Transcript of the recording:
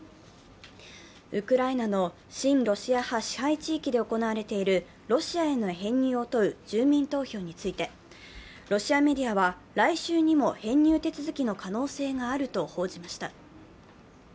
ウクライナの親ロシア派支配地域で行われているロシアへの編入を問う住民投票について、ロシアメディアは、来週にも編入手続きの可能性があると報じました。